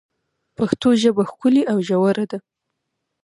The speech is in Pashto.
پښتو ژبه ښکلي او ژوره ده.